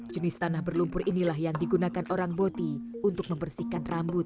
jenis tanah berlumpur inilah yang digunakan orang boti untuk membersihkan rambut